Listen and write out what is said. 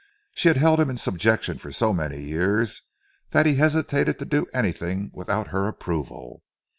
She had held him in subjection for so many years, that he hesitated to do anything without her approval.